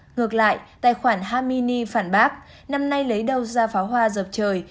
ngược lại tài khoản hamini phản bác năm nay lấy đâu ra pháo hoa dợp trời